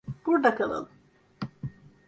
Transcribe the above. Burada kalalım.